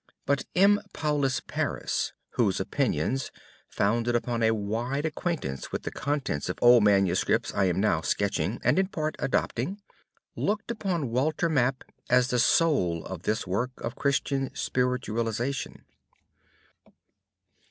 "But M. Paulin Paris, whose opinions, founded upon a wide acquaintance with the contents of old MSS. I am now sketching, and in part adopting, looked upon Walter Map as the soul of this work of Christian spiritualisation.